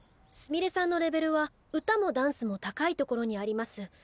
すみれさんのレベルは歌もダンスも高いところにあります。